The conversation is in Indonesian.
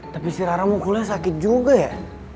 tapi si rara mukulnya sakit juga ya